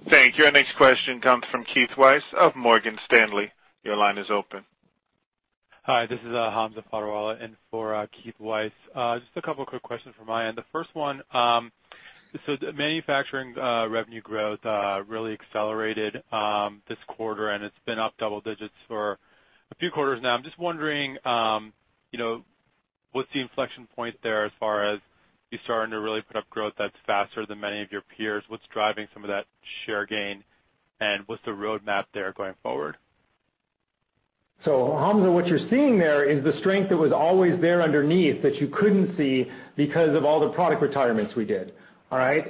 Thank you. Our next question comes from Keith Weiss of Morgan Stanley. Your line is open.
Hi, this is Hamza Fodderwala in for Keith Weiss. Just a couple of quick questions from my end. The first one, the manufacturing revenue growth really accelerated this quarter, and it's been up double digits for a few quarters now. I'm just wondering, what's the inflection point there as far as you starting to really put up growth that's faster than many of your peers? What's driving some of that share gain, and what's the roadmap there going forward?
Hamza, what you're seeing there is the strength that was always there underneath that you couldn't see because of all the product retirements we did. All right?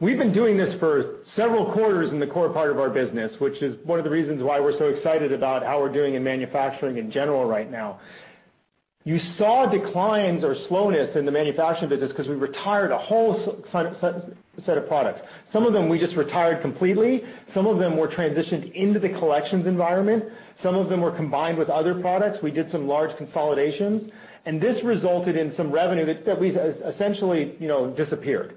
We've been doing this for several quarters in the core part of our business, which is one of the reasons why we're so excited about how we're doing in manufacturing in general right now. You saw declines or slowness in the manufacturing business because we retired a whole set of products. Some of them we just retired completely. Some of them were transitioned into the collections environment. Some of them were combined with other products. We did some large consolidations. This resulted in some revenue that essentially disappeared,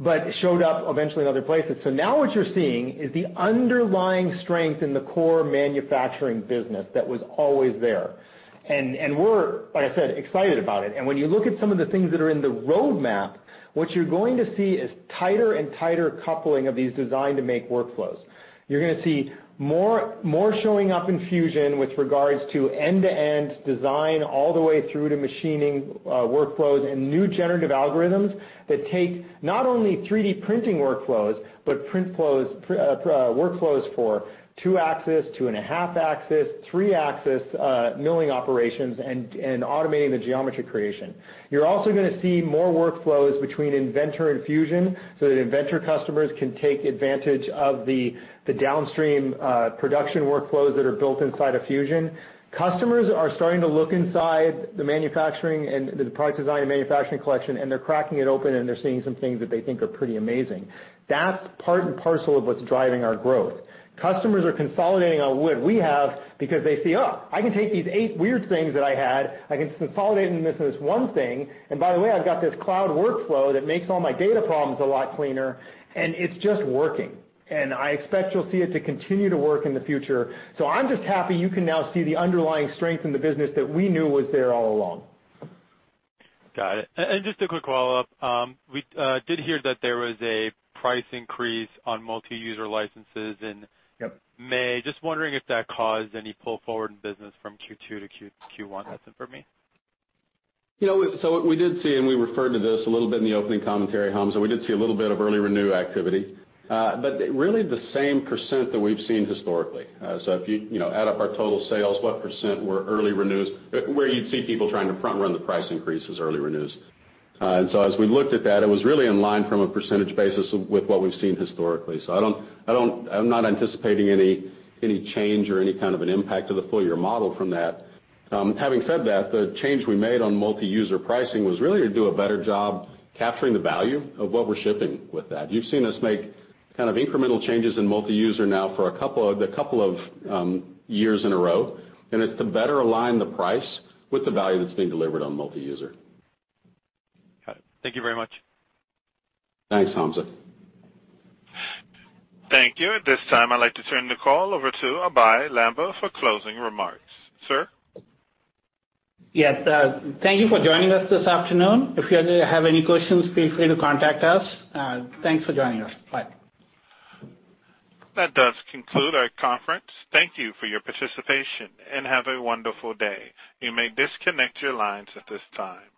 but showed up eventually in other places. Now what you're seeing is the underlying strength in the core manufacturing business that was always there. We're, like I said, excited about it. When you look at some of the things that are in the roadmap, what you're going to see is tighter and tighter coupling of these design to make workflows. You're going to see more showing up in Fusion with regards to end-to-end design all the way through to machining workflows and new generative algorithms that take not only 3D printing workflows, but workflows for two-axis, two-and-a-half axis, three-axis milling operations and automating the geometry creation. You're also going to see more workflows between Inventor and Fusion so that Inventor customers can take advantage of the downstream production workflows that are built inside of Fusion. Customers are starting to look inside the manufacturing and the Product Design and Manufacturing Collection, and they're cracking it open and they're seeing some things that they think are pretty amazing. That's part and parcel of what's driving our growth. Customers are consolidating on what we have because they see, oh, I can take these eight weird things that I had. I can consolidate them into this one thing. By the way, I've got this cloud workflow that makes all my data problems a lot cleaner, and it's just working. I expect you'll see it to continue to work in the future. I'm just happy you can now see the underlying strength in the business that we knew was there all along.
Got it. Just a quick follow-up. We did hear that there was a price increase on multi-user licenses in-
Yep
-May. Just wondering if that caused any pull forward in business from Q2 to Q1. That's it for me.
We did see, and we referred to this a little bit in the opening commentary, Hamza, we did see a little bit of early renew activity. Really the same % that we've seen historically. If you add up our total sales, what % were early renews, where you'd see people trying to front run the price increases, early renews. As we looked at that, it was really in line from a percentage basis with what we've seen historically. I'm not anticipating any change or any kind of an impact to the full year model from that. Having said that, the change we made on multi-user pricing was really to do a better job capturing the value of what we're shipping with that. You've seen us make kind of incremental changes in multi-user now for a couple of years in a row, and it's to better align the price with the value that's being delivered on multi-user.
Got it. Thank you very much.
Thanks, Hamza.
Thank you. At this time, I'd like to turn the call over to Abhey Lamba for closing remarks. Sir?
Yes. Thank you for joining us this afternoon. If you have any questions, feel free to contact us. Thanks for joining us. Bye.
That does conclude our conference. Thank you for your participation, and have a wonderful day. You may disconnect your lines at this time.